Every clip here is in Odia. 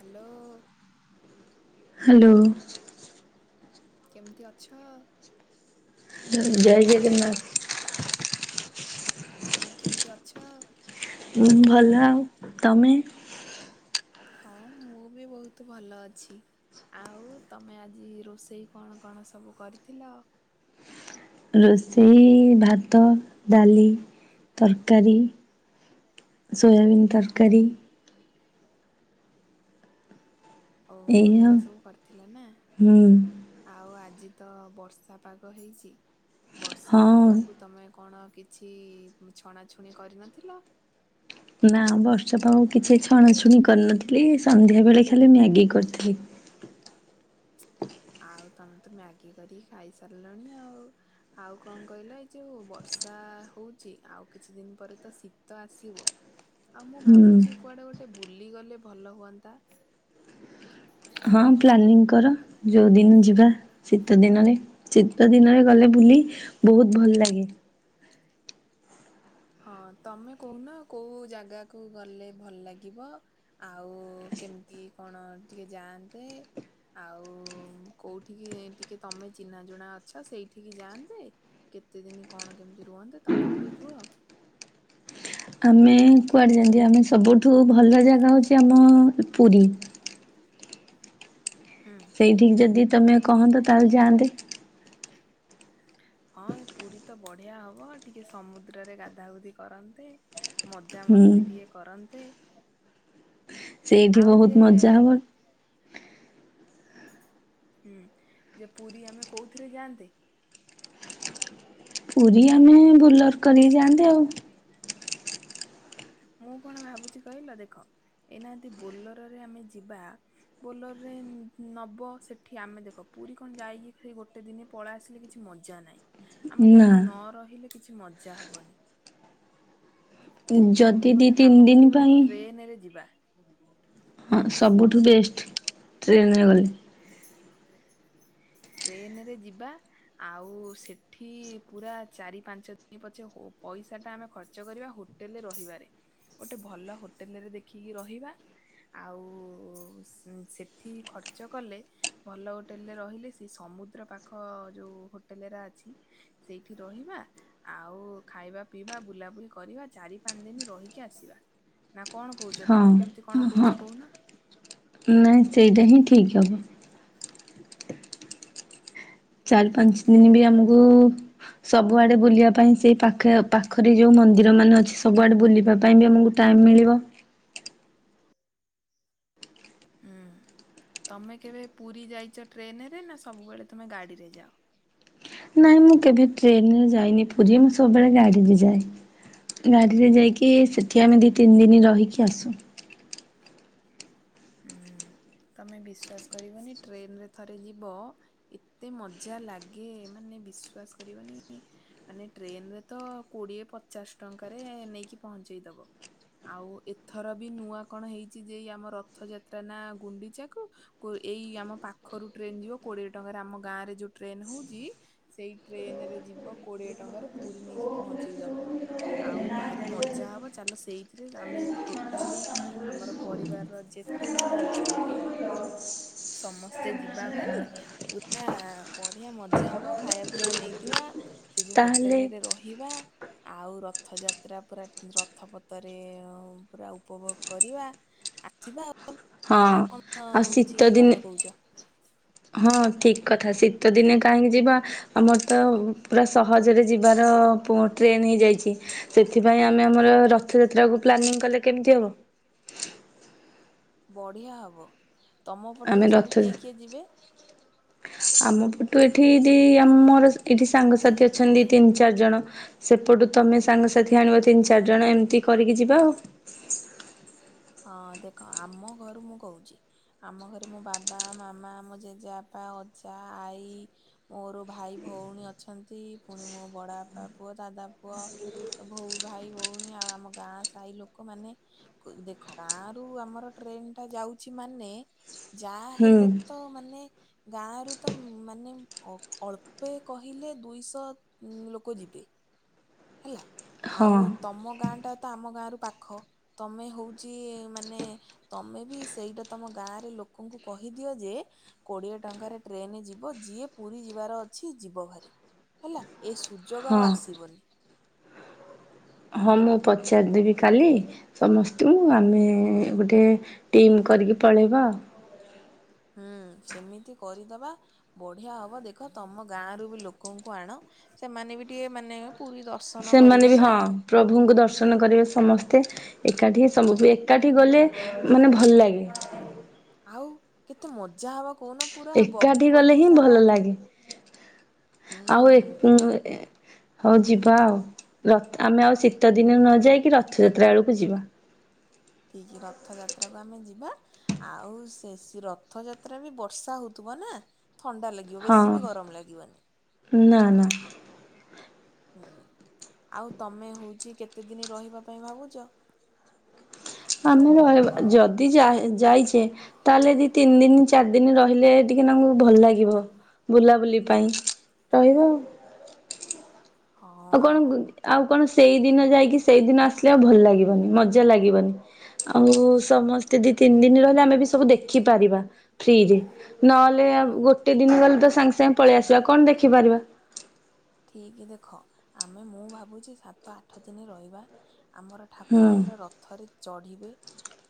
ହାଲୋ ହାଲୋ କେମିତି ଅଛ? ଜୟ ଜଗନ୍ନାଥ। ହଁ କେମିତି ଅଛ? ହଁ ଭଲ ଆଉ ତମେ? ହଁ ମୁଁ ବି ବହୁତ ଭଲ ଅଛି। ଆଉ ତମେ ଆଜି ରୋଷେଇ କଣ କଣ ସବୁ କରିଥିଲ? ରୋଷେଇ ଭାତ, ଡାଲି, ତରକାରୀ ସୋୟବିନ ତ [unintelligible] ଓହୋ ଏଇଆ ଏଇଟା ସବୁ କରିଥିଲା ନା? ହୁଁ ଆଉ ଆଜି ତ ବର୍ଷା ପାଗ ହେଇଛି, ବର୍ଷା ହଁ ପାଗ କୁ ତୁମେ କଣ କିଛି ଛଣାଛୁଣି କରିନଥିଲ? ନା ବର୍ଷ ତଉ କିଛି ଛଣାଛୁଣି କରିନଥିଲି ସନ୍ଧ୍ୟା ବେଳେ ଖାଲି ମ୍ୟାଗି କରିଥିଲି। [inaudible] ଆଉ ତମେ ତ ମ୍ୟାଗି କରିକି ଖାଇସାରିଲଣି ଆଉ ଆଉ କଣ କହିଲା ଏଇ ଯୋଉ ବର୍ଷା ହଉଚି ଆଉ କିଛି ଦିନ ପରେ ତ ଶୀତ ଆସିବ। ଆଉ ମୁଁ ହୁଁ ଭାବୁଛି କୁଆଡେ ଗୋଟେ ବୁଲି ଗଲେ ଭଲ ହୁଅନ୍ତା? ହଁ ପ୍ଲାନିଂ କର, ଯୋଉ ଦିନ ଯିବା। ଶୀତ ଦିନରେ, ଶୀତ ଦିନରେ ଗଲେ ବୁଲି, ବହୁତ ଭଲ ଲାଗେ। ହଁ ତମେ କହୁନ କୋଉ ଜାଗାକୁ ଗଲେ ଭଲ ଲାଗିବ? ଆଉ କେମିତି କଣ ଟିକେ ଯାଆନ୍ତେ? ଆଉ କୋଉଠିକି ଟିକେ ତମେ ଚିହ୍ନା ଜଣା ଅଛ, ସେଇଠିକି ଯାଆନ୍ତେ କେତେ ଦିନି କଣ କେମିତି ରୁହନ୍ତେ, ତମେ ଟିକେ କୁହ ଆମେ କୁଆଡେ [unintelligible] ଆମେ ସବୁଠୁ ଭଲ ଜାଗା ହଉଛି ଆମ ପୁରୀ ହୁଁ। ସେଇଠିକ ଯଦି ତମେ କହନ୍ତ ତାହେଲେ ଯାଆନ୍ତେ। [unintelligible] ହଁ ପୁରୀ ତ ବଢିଆ ହବ, ଟିକେ ସମୁଦ୍ରରେ ଗାଧାଗୁଧି କରନ୍ତେ। ମଜା ହୁଁ ମସ୍ତି ଟିକେ କରନ୍ତେ, ସେଇଠି ଆଉ ବହୁତ ମଜା ଯିଏ ହବ। ହୁଁ ଯେ ପୁରୀ ଆମେ କୋଉଥିରେ ଯାଆନ୍ତେ? ପୁରୀ ଆମେ ବୁଲର କରିକି ଯାଆନ୍ତେ ଆଉ ମୁଁ କଣ ଭାବୁଛି କହିଲ ଦେଖ -ଏଇନା ଯଦି ବୋଲେରରେ ଆମେ ଯିବା ବୋଲରରେ ନବ, ସେଠି ଆମେ ଦେଖ ପୁରୀ କଣ ଯାଇକି ସେ ଗୋଟେ ଦିନେ ପଳେଇ ଆସିଲେ କିଛି ମଜା ନାହିଁ, ଆମେ ନା। ଯାଇକି ନ ରହିଲେ କିଛି ମଜା ହବନି। ଆମେ ଯଦି ଦି ଗୋଟେ ତିନି କାମ ଦିନ କରିବା ପାଇଁ ଟ୍ରେନ ରେ ଯିବା। ହଁ ସବୁଠୁ ବେଷ୍ଟ, ଟ୍ରେନରେ ଗଲେ। ଟ୍ରେନ ରେ ଯିବା। ଆଉ ସେଠି ପୁରା ଚାରି ପାଞ୍ଚ ଦିନ ପଛେ, ପଇସା ଟା ଆମେ ଖର୍ଚ କରିବା ହୋଟେଲରେ ରହିବାରେ, ଗୋଟେ ଭଲ ହୋଟେଲରେ ଦେଖିକି ରହିବା। ଆଉ ସେଠି ଖର୍ଚ୍ଚ କଲେ ଭଲ ହୋଟେଲ ରେ ରହିଲେ ସେ ସମୁଦ୍ର ପାଖ ଯୋଉ ହୋଟେଲ ଅଛି। ସେଇଠି ରହିବା। ଆଉ ଖାଇବା ପିଇବା ବୁଲାବୁଲି କରିବା ଚାରି ପାଞ୍ଚ ଦିନ ରହିକି ଆସିବା। ନା କଣ କହୁଛ ହଁ ତମେ କେମିତି କଣ ହଁ। କହୁଛ କହୁନ? ନାଇଁ ସେଇଟା ହିଁ ଠିକ ହବ। ଚାରି ହୁଁ ପାଞ୍ଚ ଯେ ଦିନ ବି ଆମକୁ ସବୁଆଡ଼େ ବୁଲିବା ପାଇଁ ସେ ପାଖ ପାଖରେ ଯୋଉ ମନ୍ଦିର ମାନେ ଅଛି ସବୁଆଡ଼େ ବୁଲିବା ପାଇଁ ବି ଆମକୁ ଟାଇମ୍ ମିଳିବ। ହୁଁ ତମେ କେବେ ପୁରୀ ଯାଇଛ ଟ୍ରେନରେ ନା ସବୁବେଳେ ତୁମେ ଗାଡ଼ିରେ ଯାଅ? ନାଇଁ ମୁଁ କେବେ ଟ୍ରେନରେ ଯାଇନି ପୁରୀ ମୁଁ ସବୁବେଳେ ଗାଡିରେ ଯାଏ। ଗାଡିରେ ଯାଇକି ସେଠି ଆମେ ଦି ତିନି ଦିନ ରହିକି ଆସୁ। ହଁ ତମେ ବିଶ୍ୱାସ କରିବନି ଟ୍ରେନରେ ଥରେ ଯିବ ଏତେ ମଜା ଲାଗେ ମାନେ ବିଶ୍ଵାସ କରିବନି ମାନେ ଟ୍ରେନ ରେ ତ କୋଡିଏ ପଚାଶ ଟଙ୍କାରେ ନେଇକି ପହଞ୍ଚେଇଦବ। ଆଉ ଏଥର ବି ନୂଆ କଣ ହେଇଛି ଯେ ଆମ ରଥ ଯାତ୍ରା ନା ଗୁଣ୍ଡିଚାକୁ? ଏଇ ଆମ ପାଖରୁ ଟ୍ରେନ ଯିବ କୋଡିଏ ଟଙ୍କାରେ ଆମ ଗାଁ ରେ ଯୋଉ ଟ୍ରେନ ହଉଛି ସେଇ ଟ୍ରେନ ରେ ଯିବ କୋଡିଏ ଟଙ୍କାରେ ପୁରୀ ନେଇକି ପହଞ୍ଚେଇ ଦବ। ଆଉ ଭାରି ମଜା ହବ ଚାଲ ସେଇଥିରେ ଆମେ ଟୋଟାଲି ଆମର ପରିବାରର ଯେତେ ଜଣ ଅଛନ୍ତି ସମସ୍ତେ ଯିବା ଭାରି ପୁରା ବଢିଆ ମଜା ହବ ଖାଇବା ପିଇବା ନେଇଥିବା। ସେ ଯୋଉ ତାହେଲେ ହୋଟେଲ ରେ ରହିବା। ଆଉ ରଥଯାତ୍ରା ପୁରା ରଥପତ୍ରରେ ପୁରା ଉପଭୋଗ କରିବା। ଆସିବା ଆଉ ହଁ ନା କଣ ଆଉ ହଉଛି ଶୀତ ତମେ ଦିନ କହୁଛ ହଁ ଠିକ୍ କଥା ଶୀତ ଦିନେ କାହିଁକି ଯିବା? ଆମର ତ ପୁରା ସହଜରେ ଯିବାର ଟ୍ରେନ୍ ହେଇଯାଇଛି। ସେଥିପାଇଁ ଆମେ ଆମର ରଥଯାତ୍ରାକୁ ପ୍ଲାନିଂ କଲେ କେମିତି ହବ? ବଢିଆ ହବ ତମ ପଟକୁ ଆମେ ରଥ ସବୁ କିଏ କିଏ ଯିବେ? ଆମ ପଟୁ ଏଠିି ଆମର ଏଠି ସାଙ୍ଗସାଥି ଅଛନ୍ତି ତିନି ଚାରି ଜଣ ସେପଟୁ ତୁମେ ସାଙ୍ଗସାଥି ଆଣିବ ତିନି ଚାରିଜଣ ଏମିତି କରିକି ଯିବା ଆଉ। ହଁ ଦେଖ ଆମ ଘରୁ ମୁଁ କହୁଛି। ଆମ ଘରେ ମୋ ବାବା, ମାମା, ମୋ ଜେଜେବାପା, ଅଜା, ଆଈ ମୋର ଭାଇ ଭଉଣୀ ଅଛନ୍ତି। ପୁଣି ମୋ ବଡ ବାପା ପୁଅ, ଦାଦା ପୁଅ ଭାଇ ଭଉଣୀ ଆଉ ଆମ ଗାଁ ସାହି ଲୋକମାନେ ଦେଖ ଗାଁରୁ ଆମର ଟ୍ରେନ ଟା ଯାଉଛି ମାନେ ଯାହା ହୁଁ ହେଲେ ତ ମାନେ ଗାଁରୁ ତ ମାନେ ଅଳ୍ପ କହିଲେ ଦୁଇଶହ ଉଁ ଲୋକ ଯିବେ ହେଲା। ହଁ ଆଉ ତମ ଗାଁ ଟା ତ ଆମ ଗାଁ ର ପାଖ ତମେ ହଉ ଚି ମାନେ ତମେ ବି ସେଇଟା ତମ ଗାଁରେ ଲୋକଙ୍କୁ କହିଦିଅ ଯେ କୋଡିଏ ଟଙ୍କାରେ ଟ୍ରେନ ଯିବ ଯିଏ ପୁରୀ ଯିବାର ଅଛି ଯିବ ଭାରି। ହେଲା ଏ ସୁଯୋଗ ଆଉ ହଁ। ଆସିବନି। ହଁ ମୁଁ ପଚାରିଦେବି କାଲି। ସମସ୍ତଙ୍କୁ ଆମେ ଗୋଟେ ଟିମ୍ କରିକି ପଳେଇବା ଆଉ। ହୁଁ ସେମିତି କରିଦବା। ବଢିଆ ହବ ଦେଖ ତମ ଗାଁ ର ବି ଲୋକଙ୍କୁ ଆଣ ସେମାନେ ବି ଟିକେ ମାନେ ପୁରୀ ଦର୍ଶନ ସେମାନେ କରିବେ ବି ନା ହଁ ପ୍ରଭୁଙ୍କୁ ଦର୍ଶନ କରିବେ ସମସ୍ତେ। ଏକାଠି ସବୁ ଏକାଠି ଗଲେ ମାନେ ଭଲ ଲାଗେ। ଆଉ କେତେ ମଜା ହବ କହୁନ ପୁରା ଏକାଠି ବଗି ଗଲେ ବଗି ହିଁ ଭଲ ସାରା ଲାଗେ। ଆଉ ଏ ହୁଁ [unintelligible] ହଉ ଯିବା ଆଉ ରଥ ଆମେ ଆଉ ଶୀତଦିନରେ ନ ଯାଇକି ରଥଯାତ୍ରା ଓଳକୁ ଯିବା। ଠିକି ରଥ ଯାତ୍ରାକୁ ଆମେ ଯିବା ଆଉ ସେ ରଥ ଯାତ୍ରା ବି ବର୍ଷା ହଉଥିବ ନା ଥଣ୍ଡା ଲା ବ ହଁ ବେଶୀ ବି ଗରମ ଲାଗିବନି। ନା ନା। ହୁଁ ଆଉ ତମେ ହୋଉଛି କେତେଦିନ ରହିବା ପାଇଁ ଭାବୁଛ? ଆମେ ରହିବା ଯା ଯଦି ଯାଇଛେ। ତାହେଲେ ଦି ତିନି ଦିନ ଚାରି ଦିନ ରହିଲେ ଟିକେ ତାଙ୍କୁ ଭଲ ଲାଗିବ। ବୁଲାବୁଲି ପାଇଁ ରହିଵା ଆଉ। ଆଉ କଣ ହଁ ଆଉ କଣ ସେଇ ଦିନ ଯାଇକି ସେଇଦିନ ଆସିଲେ ଆଉ ଭଲ ଲାଗିବନି ମଜା ଲାଗିବନି। ଆଉ ସମସ୍ତେ ଦି ତିନି ଦିନ ରହିଲେ ଆମେ ବି ସବୁ ଦେଖିପାରିବା ଫ୍ରିରେ। ନହେଲେ ଆଉ ଗୋଟେ ଦିନ ଗଲେ ତ ସାଙ୍ଗେ ସାଙ୍ଗେ ପଳେଇ ଆସିବା କଣ ଦେଖିପାରିବା। ଠିକ ଦେଖ ଆମେ ମୁଁ ଭାବୁଛି ସାତ ଆଠ ଦିନ ରହିବା ଆମର ହୁଁ ଠାକୁର ପୁରା ରଥରେ ଚଢିବେ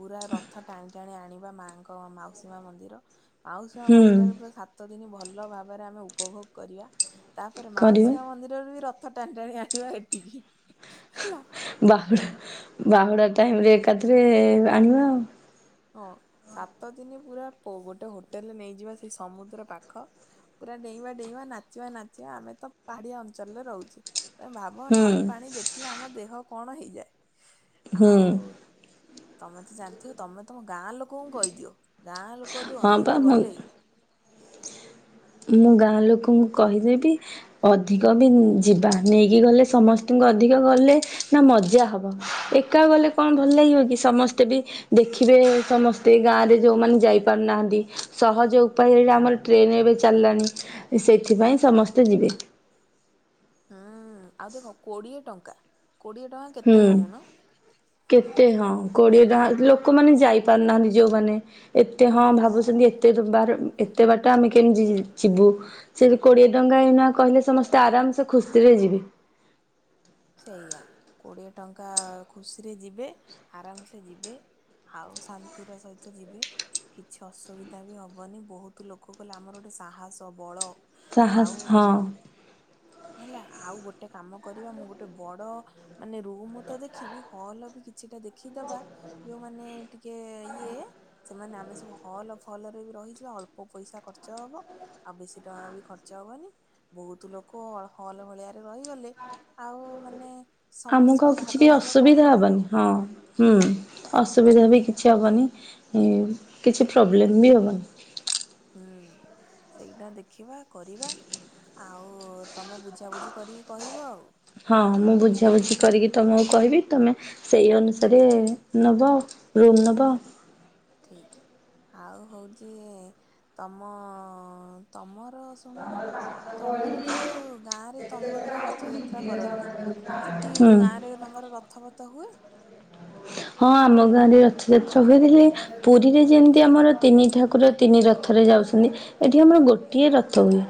ପୁରା ରଥ ଟାଣି ଟାଣି ଆଣିବା ମାଙ୍କ ମାଉସୀ ମା ମନ୍ଦିର ଆଉ ହୁଁ ମନ୍ଦିରରେ ପୁରା ସାତ ଦିନ ଭଲ ଭାବରେ ଆମେ ଉପଭୋଗ କରିବା। ତାପରେ କରିବା ମାଉସୀ ମା ମନ୍ଦିରରୁ ବି ରଥ ଟାଣି ଟାଣି ଆଣିବା ଏଠିକି ହେଲା। ବାହୁଡ଼ା ବାହୁଡ଼ା ଟାଇମ୍ ଏକାଥରେ ଆଣିବା ଆଉ। ହଁ ସାତ ଦିନ ପୁରା ଗୋଟେ ହୋଟେଲେ ନେଇଯିବା ସେଇ ସମୁଦ୍ର ପାଖ ପୁରା ଡେଇଁବା ଡେଇଁବା ନାଚିବା ନାଚିବା ଆମେ ତ ପାହାଡିଆ ଅଞ୍ଚଳରେ ରହୁଚେ। ତମେ ଭାବ ହୁଁ ନଈ ପାଣି ଦେଖିଲେ ଆମ ଦେହ କଣ ହେଇଯାଏ ହୁଁ। ଆଉ ତମେ ତ ଜାଣିଥିବ ତମେ ତମ ଗାଁ ଲୋକଙ୍କୁ କହିଦିଅ ଗାଁ ଲୋକ ଯଦି ହଁ ପା ଅଧିକ ମୁଁ ଗଲେ ମୁଁ ଗାଁ ଲୋକଙ୍କୁ କହିଦେବି ଅଧି [unintelligible] ଯିବା ନେଇକି ଗଲେ ସମସ୍ତଙ୍କୁ ଅଧିକ ଗଲେ ନା ମଜା ହବ ଏକା ଗଲେ କଣ ଭଲ ଲାଗିବ କି ସମସ୍ତେ ବି ଦେଖିବେ ସମସ୍ତେ ଗାଁ ରେ ଯୋଉମାନେ ଯାଇପାରୁନାହାନ୍ତି ସହଜ ଉପାୟ ରେ ଆମର ଏବେ ଚାଲିଲାଣି ସେଇଥିପାଇଁ ସମସ୍ତେ ଯିବେ। ହୁଁ ଆଉ ଦେଖ କୋଡିଏ ଟଙ୍କା କୋଡିଏ ଟଙ୍କା ହୁଁ। କେତେ କହୁନ କେତେ ହଁ କୋଡିଏ ଟଙ୍କା ଲୋକମାନେ ଯାଇପାରୁନାହାନ୍ତି ଯୋଉମାନେ। ଏତେ ହଁ ଭାବୁଚନ୍ତି ଏତେ ବାର ଏତେ ବାଟ ଆମେ କେମିତି ଯିବୁ। ସେଠି କୋଡିଏ ଟଙ୍କା ଏଇନା କହିଲେ ସମସ୍ତେ ଆରାମସେ ଖୁସିରେ ଯିବେ। ସେଇଆ କୋଡିଏ ଟଙ୍କା ଖୁସିରେ ଯିବେ ଆରାମସେ ଯିବେ ଆଉ ଶାନ୍ତିର ସହିତ ଯିବେ। କିଛି ଅସୁବିଧା ବି ହବନି ବହୁତ ଲୋକ କଲେ ଆମର ଗୋଟେ ସାହସ ବଳ ସାହସ ଆଉ ହଁ ଉଁ ହେଲା ଆଉ ଗୋଟେ କାମ କରିବା ମୁଁ ଗୋ ଗୋଟେ ବଡ ମାନେ ରୁମ ତ ଦେଖିବି ହଲ୍ ବି କିଛିଟା ଦେଖିଦବା ଯୋଉମାନେ ଟିକେ ଇଏ ସେମାନେ ଆମେ ସବୁ ହଲ୍ ଫଲ ରେ ବି ରହିଯିବା ଅଳ୍ପ ପଇସା ଖର୍ଚ୍ଚ ହବ। ଆଉ ବେଶୀ ଟଙ୍କା ବି ଖର୍ଚ୍ଚ ହବନି ବହୁତ ଲୋକ ହଲ୍ ଭଳିଆରେ ରହିଗଲେ ଆଉ ମାନେ ଆମକୁ ଆଉ ସମସ୍ତଙ୍କର କିଛି ବି ଭାଗ ଭାଗ କମ ଅସୁବିଧା ପଡିବ ହବନି ଆଉ ହଁ। ହୁଁ ଅସୁବିଧା ବି କିଛି ହବନି କିଛି ପ୍ରୋବ୍ଲେମ୍ ବି ହେବନି। ହୁଁ ସେଇଟା ଦେଖିବା କରିବା। ଆଉ ତମେ ବୁଝାବୁଝି କରିକି କହିବ ଆଉ। ହଁ ମୁଁ ବୁଝାବୁଝି କରିକି ତମକୁ କହିବି ତମେ ସେଇ ଅନୁସାରେ ନବ ରୁମ ନବ। ଠିକ ଆଉ ହଉଚି ତମ ତମର ଶୁଣୁନ ତମର ଯୋଉ ଗାଁରେ ତମର ଯୋଉ ରଥଯାତ୍ରା କରନ୍ତି। ସେଠି ହୁଁ। ଗାଁ ରେ ତମର ରଥପଥ ହୁଏ? ହଁ ଆମ ଗାଁରେ ଅଛି। ସେ କହୁଥିଲେ ପୁରୀରେ ଯେମିତି ଆମର ତିନି ଠାକୁର ତିନି ରଥରେ ଯାଉଛନ୍ତି ଏଇଠି ଆମର ଗୋଟିଏ ରଥ ହୁଏ।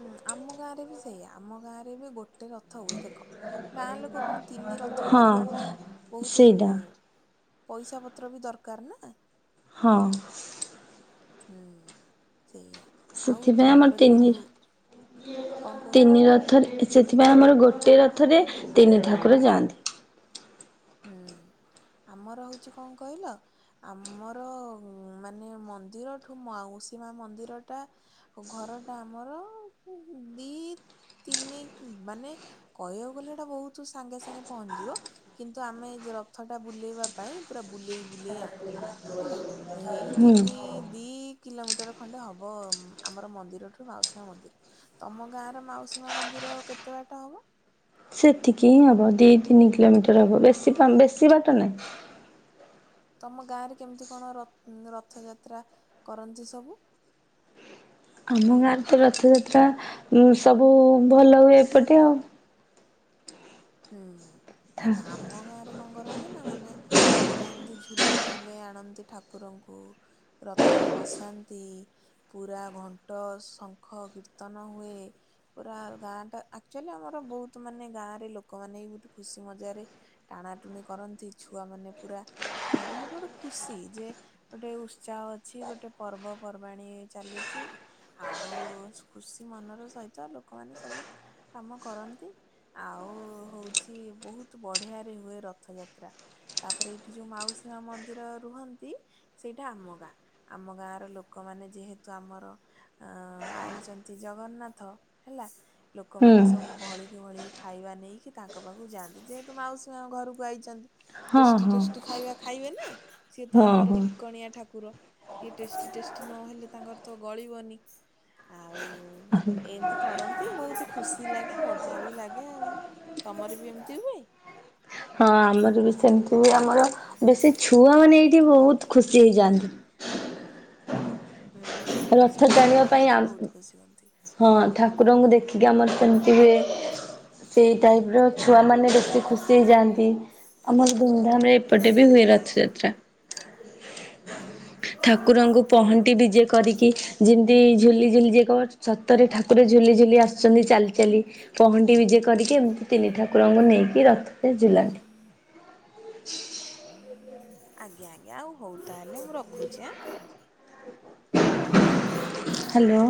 ହୁଁ ଆମ ଗାଁରେ ବି ସେଇଆ ଆମ ଗାଁ ରେ ବି ଗୋଟେ ରଥ ହୁଏ ଦେଖ। ଗାଁ ଲୋକ କଣ ତିନି ରଥ ହଁ କରିବାଟା ବହୁତ ସେଇଟା ପଇସା ପତ୍ର ବି ଦରକାର ନା। ହଁ। ହୁଁ ସେଇଆ। ଆଉ ସେଥିପାଇଁ ଆମର ତମର ଯୋଉ ତିନି କଣ କହୁନ ତିନି ରଥରେ ସେଥିପାଇଁ ଆମର ଗୋଟିଏ ରଥରେ ତିନି ଠାକୁର ଯାଆନ୍ତି। ହୁଁ ଆମର ହଉଚି କଣ କହିଲ ଆମର ମାନେ ମନ୍ଦିରଠୁ ମାଉସୀ ମା ମନ୍ଦିରଟା ଆଉ ଘରଟା ଆମର ଦି ତିନି ମାନେ କହିବାକୁ ଗଲେ ଏଟା ବହୁତ ସାଙ୍ଗେ ସାଙ୍ଗେ ପହଞ୍ଚିଯିବ। କିନ୍ତୁ ଆମେ ଯେ ରଥ ଟା ବୁଲେଇବା ପାଇଁ ପୁରା ବୁଲେଇ ବୁଲେଇ ଆଣୁ। ହେଲା ଏଇ ହୁଁ ତିନି ଦି କିଲୋମିଟର ଖଣ୍ଡେ ହେବ ଆମର ମନ୍ଦିରଠୁ ମାଉସୀ ମନ୍ଦିର। ତମ ଗାଁର ମାଉସୀମା ମନ୍ଦିର କେତେ ବାଟ ହବ? ସେତିକି ହିଁ ହବ ଦି ତିନି କିଲୋମିଟର ହବ ବେଶୀ ବେଶୀ ବାଟ ନାହିଁ। ତମ ଗାଁରେ କେମିତି କଣ ରଥଯାତ୍ରା କରନ୍ତି ସବୁ? ଆମ ଗାଁରେ ତ ରଥଯାତ୍ରା ସବୁ ଭଲ ହୁଏ ଏପଟେ ଆଉ। ହୁଁ ଆ ଆମ ଆମ ଗାଁ ରେ କଣ କରନ୍ତି ନା ମାନେ ପୁରା ଏମିତି ଝୁଲେଇ ଝୁଲେଇ ଆଣନ୍ତି ଠାକୁରଙ୍କୁ। ରଥରେ ବସାନ୍ତି। ପୁରା ଘଣ୍ଟ, ଶଙ୍ଖ, କୀର୍ତ୍ତନ ହୁଏ। ପୁରା ଗାଁ ଟା ଆଚୁଅଲି ଆମର ବହୁତ ମାନେ ଗାଁ ରେ ଲୋକ ଲୋକମାନେ ଗୋଟେ ଖୁସି ମଜାରେ ଟାଣା ଟୁଣି କରନ୍ତି ଛୁଆ ମାନେ ପୁରା ଧରିକି ଗୋଟେ ଖୁସି ଯେ ଗୋଟେ ଉତ୍ସାହ ଅଛି ଗୋଟେ ପର୍ବପର୍ବାଣିୀ ଚାଲିଛି। ଆଉ ଖୁସି ମନର ସହିତ ଲୋକମାନେ ସବୁ କାମ କରନ୍ତି ଆଉ ହଉଛି ବହୁତ ବଢିଆରେ ହୁଏ ରଥଯାତ୍ରା। ତାପରେ ଏଇଠି ଯୋଉ ମାଉସୀମା ମନ୍ଦିର ରୁହନ୍ତି। ସେଇଟା ଆମ ଗାଁ ଆମ ଗାଁ ର ଲୋକମାନେ ଯେହେତୁ ଆମର ଅ ଆଇଛନ୍ତି ଜଗନ୍ନାଥ ହେଲା। ହୁଁ ଲୋକମାନେ ସବୁ ଭଳି କିି ଭଳି ଖାଇବା ନେଇକି ତାଙ୍କ ପାଖକୁ ଯାଆନ୍ତି ଯେହେତୁ ମାଉସୀ ମା ଘରକୁ ଆଇଛନ୍ତି ହଁ ଟେଷ୍ଟି ହଁ ଟେଷ୍ଟି ଖାଇବା ଖାଇବେ ନା ସିଏ ତ ହଁ ହଁ। ଆମରିକଣିଆ ଠାକୁର। ଟିକେ ଟେଷ୍ଟି ଟେଷ୍ଟି ନହେଲେ ତାଙ୍କର ତ ଗଳିବନି। ଆଉ ଏମତି କରନ୍ତି ବହୁତ ଖୁସି ଲାଗେ ମଜା ବି ଲାଗେ ଆଉ। ତମର ବି ଏମିତି ହୁଏ? ହଁ ଆମର ବି ସେମତି ବି ଆମର ବେଶୀ ଛୁଆ ମାନେ ଏଇଠି ବହୁତ ଖୁସି ହେଇଯାଆନ୍ତି। ହୁଁ ରଥ ସେଇ ଟାଣିବା ଛୁଆ ପାଇଁ ଆ ମାନେ ବହୁତ ଖୁସି ହୁଅନ୍ତି। ହଁ ଠାକୁରଙ୍କୁ ଦେଖିକି ଆମର ସେମିତି ହୁଏ ସେଇ ଟାଇପର ଛୁଆମାନେ ବେଶୀ ଖୁସି ହେଇଯାଆନ୍ତି। ଆମର ଦମ ଧାମରେ ଏପଟେ ବି ହୁଏ ରଥଯାତ୍ରା। ଆଉ ଠାକୁରଙ୍କୁ ହଉ ପହଣ୍ଟି ହଉ। ବିଜେ ଯେମିତି ଝୁଲିଝୁଲି ଯକ ସତ ଠାକୁ ଝୁଲି ଝୁଲି ଆସ ଆସୁଛନ୍ତି ଚାଲି ଚାଲି ପହଁଣ୍ଟି ବିଜେ କରିକି ଏମିତି ତିନି ଠାକୁରଙ୍କୁ ନେଇକି ରଥରେ ଝୁଲାନ୍ତି। ଆଜ୍ଞା ଆଜ୍ଞା ଆଉ ହଉ ତାହେଲେ ମୁଁ ରଖୁଛି ଆଁ। ହାଲୋ।